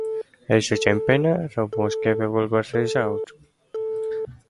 As a campaigner, Robb was capable but reserved.